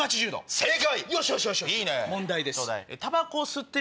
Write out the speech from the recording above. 正解！